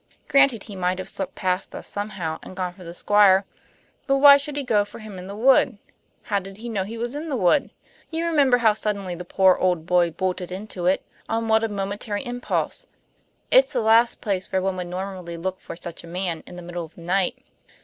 Granted he might have slipped past us somehow, and gone for the Squire. But why should he go for him in the wood? How did he know he was in the wood? You remember how suddenly the poor old boy bolted into it, on what a momentary impulse. It's the last place where one would normally look for such a man, in the middle of the night.